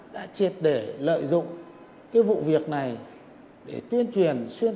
đã triệt để lợi dụng cái vụ việc này để tuyên truyền cho các tổ chức